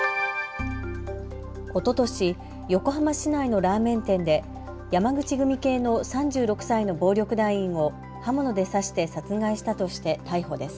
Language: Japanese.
おととし横浜市内のラーメン店で山口組系の３６歳の暴力団員を刃物で刺して殺害したとして逮捕です。